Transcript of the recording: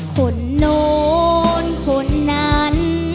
คนโน้นคนนั้น